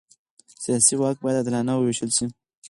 سیاسي واک باید عادلانه ووېشل شي